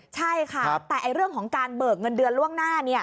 ใช่ค่ะแต่เรื่องของการเบิกเงินเดือนล่วงหน้า